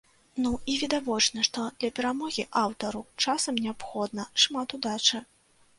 Ну і відавочна, што для перамогі аўтару часам неабходна шмат удачы.